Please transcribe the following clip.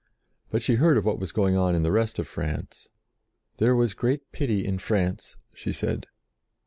But she heard of what was going on in the rest of France: "there was great pity in France," she said.